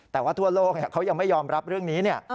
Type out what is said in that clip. แต่ว่าทั่วโลกเขายังไม่ยอมรับเรื่องนี้